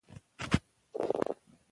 که مهرباني وي نو غوسه نه وي.